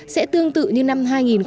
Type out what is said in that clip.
sẽ tương tự như năm hai nghìn một mươi năm